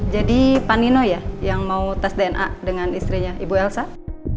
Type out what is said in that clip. jadi panino ya yang mau tes dna dengan istrinya ibu elsa ya kita datang sini mau tes dna oke